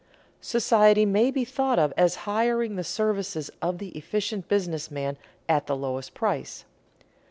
Society may be thought of as hiring the services of the efficient business man at the lowest price.